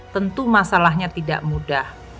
tentu masalahnya tidak mudah